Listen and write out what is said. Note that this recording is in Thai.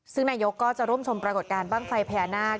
ซึ่งนายกก็จะร่วมชมปรากฏการณ์บ้างไฟพญานาค